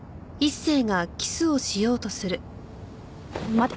待て。